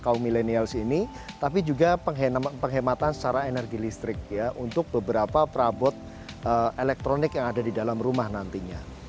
kaum milenials ini tapi juga penghematan secara energi listrik untuk beberapa perabot elektronik yang ada di dalam rumah nantinya